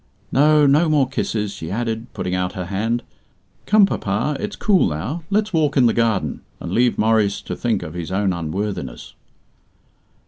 No, no more kisses," she added, putting out her hand. "Come, papa, it's cool now; let's walk in the garden, and leave Maurice to think of his own unworthiness."